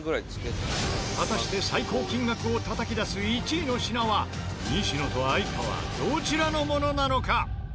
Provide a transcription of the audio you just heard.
果たして最高金額をたたき出す１位の品は西野と哀川どちらのものなのか？